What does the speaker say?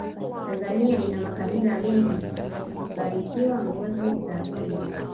tanzania ina makabila mengi yaliyobarikiwa ngoma za asili